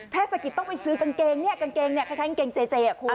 เทศกิจต้องไปซื้อกางเกงเนี่ยใส่กางเกงเจ๊คุณ